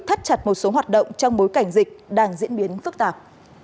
thắt chặt một số hoạt động trong bối cảnh dịch đang diễn biến phức tạp